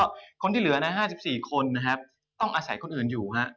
แล้วก็คนที่เหลือนะห้าสิบสี่คนนะครับต้องอาศัยคนอื่นอยู่ฮะ